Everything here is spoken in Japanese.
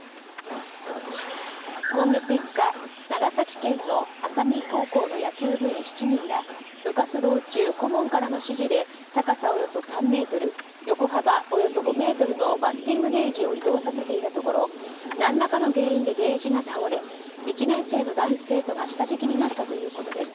今月５日、長崎県の波佐見高校の野球部員７人が部活動中、顧問からの指示で高さおよそ３ｍ横幅およそ５ｍのバッティングゲージを移動させていたところ何らかの原因でゲージが倒れ１年生の男子生徒が下敷きになったということです。